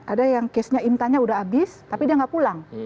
ada yang kesnya imtahnya udah habis tapi dia nggak pulang